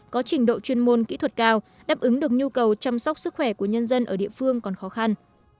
có trình độ chuyên môn kỹ thuật cao đáp ứng được nhu cầu chăm sóc sức khỏe của nhân dân ở địa phương còn khó khăn